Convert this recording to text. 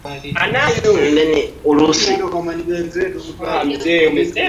basi kaa ukijua safari yako inaweza isifanikiwe kwa namna moja au nyingine